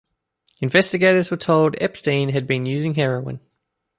Investigators were told Epstein had been using heroin.